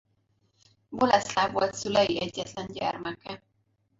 Boleszláv volt szülei egyetlen gyermeke.